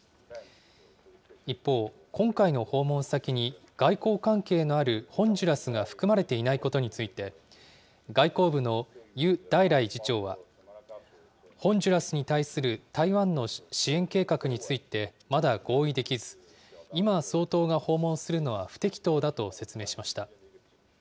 一方、今回の訪問先に外交関係のあるホンジュラスが含まれていないことについて、外交部の兪大らい次長はホンジュラスに対する台湾の支援計画についてまだ合意できず、今、総統が訪問するのは不適当だと説明しました。